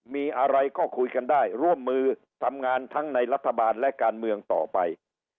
มีอะไรก็คุยกันได้ร่วมมือทำงานทั้งในรัฐบาลและการเมืองต่อไป